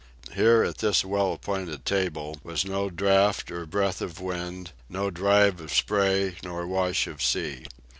Here, at this well appointed table, was no draught nor breath of wind, no drive of spray nor wash of sea.